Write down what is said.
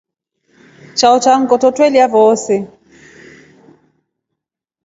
Chao cha ngʼoto twelya vozee.